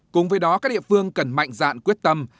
cùng với đó các địa phương cần mạnh dạn quyết tâm